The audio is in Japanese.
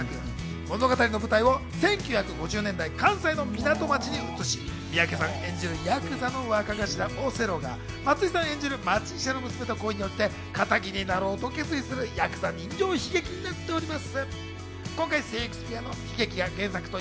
物語の舞台を１９５０年代、関西の港町に移し、三宅さん演じるヤクザの若頭・オセロが松井さん演じる町医者の娘と恋におちて、かたぎになろうと決意するヤクザ人情悲劇になっております。